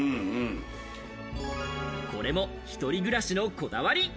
これも一人暮らしのこだわり。